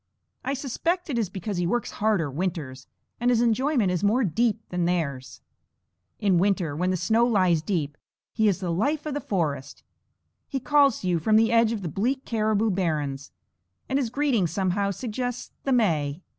I suspect it is because he works harder winters, and his enjoyment is more deep than theirs. In winter when the snow lies deep, he is the life of the forest. He calls to you from the edges of the bleak caribou barrens, and his greeting somehow suggests the May.